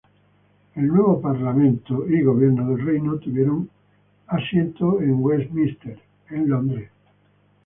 El nuevo parlamento y gobierno del reino tuvieron asiento en Westminster, en Londres.